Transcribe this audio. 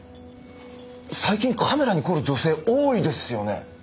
最近カメラに凝る女性多いですよね。